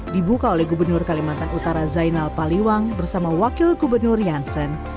dibuka oleh gubernur kalimantan utara zainal paliwang bersama wakil gubernur jansen